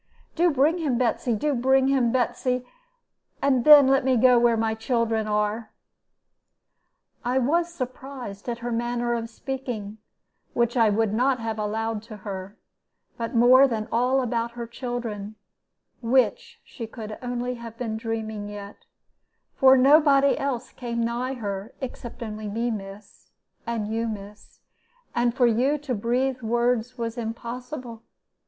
'Do bring him, Betsy; only bring him, Betsy, and then let me go where my children are.' "I was surprised at her manner of speaking, which I would not have allowed to her, but more than all about her children, which she could only have been dreaming yet, for nobody else came nigh her except only me, miss, and you, miss, and for you to breathe words was impossible.